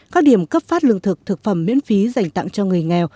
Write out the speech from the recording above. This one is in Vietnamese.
các điểm cấp phát lương thực thực phẩm miễn phí dành tặng cho người nghèo